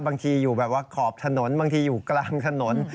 อยู่แบบว่าขอบถนนบางทีอยู่กลางถนน